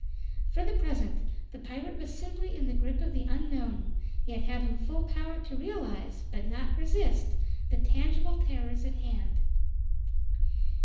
For the present the pirate was simply in the grip of the unknown, yet having full power to realize, but not resist, the tangible terrors at hand.